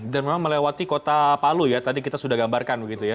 dan memang melewati kota palu ya tadi kita sudah gambarkan begitu ya